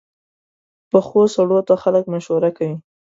پخو سړو ته خلک مشوره کوي